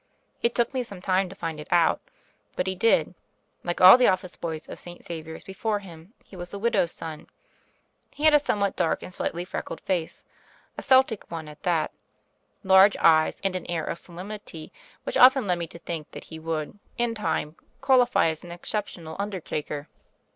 It took me some time to find it out; but he did. Like all the office boys of St. Xavier's before him he was a widow's son. He had a somewhat dark and slightly freckled face — a Celtic one at that — large eyes, and an air of solemnity which often led me to think that he would, in time, qualify as an exceptional undertaker.